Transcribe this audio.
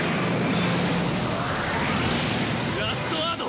ラストワード！